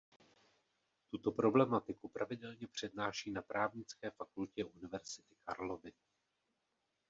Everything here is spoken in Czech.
Tuto problematiku pravidelně přednáší na právnické fakultě Univerzity Karlovy.